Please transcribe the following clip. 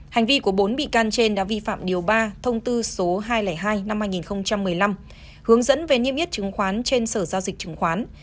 hành vi của bốn bị can trên đã vi phạm điều ba thông tư số hai trăm linh hai năm hai nghìn một mươi năm hướng dẫn về niêm yết chứng khoán trên sở giao dịch chứng khoán